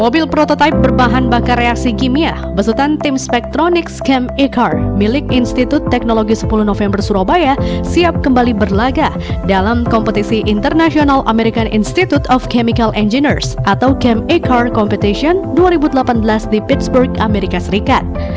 mobil prototipe berbahan bakar reaksi kimia besutan tim spektronic scam e car milik institut teknologi sepuluh november surabaya siap kembali berlaga dalam kompetisi internasional american institute of chemical engineers atau camp ecar competition dua ribu delapan belas di pitsburg amerika serikat